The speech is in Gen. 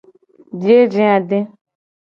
Biye je ade.